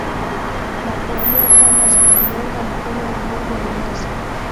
na kuamua kwamba zitamuunga mkono na huku ni wazi